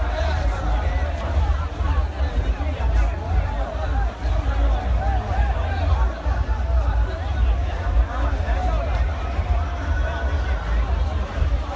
สวัสดีครับทุกคน